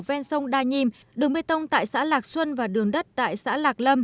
ven sông đa nhiêm đường bê tông tại xã lạc xuân và đường đất tại xã lạc lâm